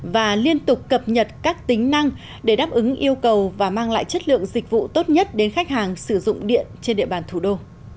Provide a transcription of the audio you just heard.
và liên tục cập nhật các tính năng để đáp ứng yêu cầu và mang lại chất lượng dịch vụ tốt nhất đến khách hàng sử dụng điện trên địa bàn thủ đô